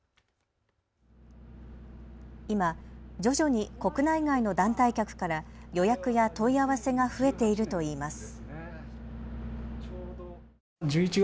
今、徐々に国内外の団体客から予約や問い合わせが増えているといいます。